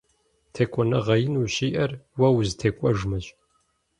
ТекӀуэныгъэ ин ущиӀэр уэ узытекӀуэжмэщ.